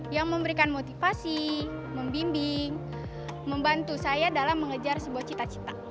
yang memberikan motivasi membimbing membantu saya dalam mengejar sebuah cita cita